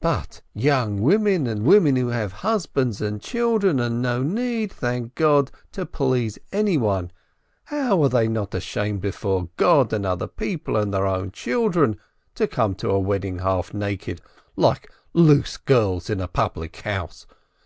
But young women, and women who have husbands and children, and no need, thank God, to please anyone, how are they not ashamed before God and other people and their own children, to come to a wedding half naked, like loose girls in a public house?